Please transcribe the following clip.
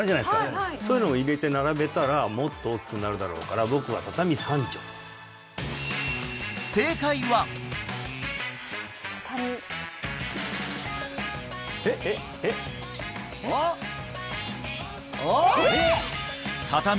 はいはいそういうのを入れて並べたらもっと大きくなるだろうから僕は畳３畳えっえっえっ？え！